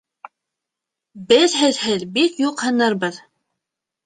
Беҙ һеҙһеҙ бик юҡһынырбыҙ